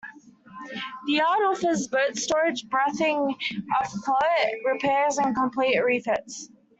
The yard offers boat storage, berthing afloat, repairs and complete refits.